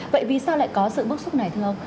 vậy vì sao lại có sự bức xúc này thưa ông